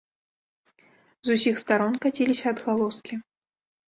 З усіх старон каціліся адгалоскі.